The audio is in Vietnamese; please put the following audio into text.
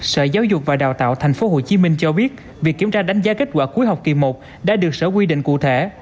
sở giáo dục và đào tạo thành phố hồ chí minh cho biết việc kiểm tra đánh giá kết quả cuối học kỳ i đã được sở quy định cụ thể